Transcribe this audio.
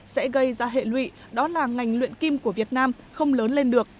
sẽ gây ra hệ lụy đó là ngành luyện kim của việt nam không lớn lên được